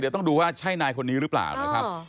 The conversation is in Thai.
เดี๋ยวต้องดูว่าใช่นายคนนี้หรือเปล่านะครับ